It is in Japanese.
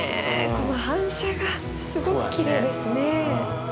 この反射がすごくきれいですね。